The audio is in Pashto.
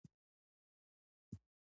او همدا دوى بريالي دي